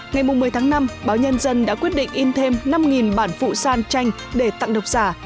ngày một mươi tháng năm báo nhân dân đã quyết định in thêm năm bản phụ san tranh để tặng độc giả